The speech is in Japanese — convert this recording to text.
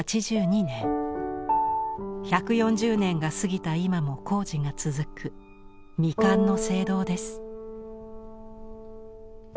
１４０年が過ぎた今も工事が続く「未完の聖堂」です。